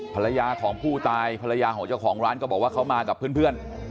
ภรรยาของผู้ตายภรรยาของเจ้าของร้านก็บอกว่าเขามากับเพื่อน